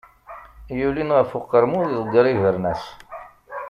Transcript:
Yulin ɣef uqermud, iḍegger ibernas.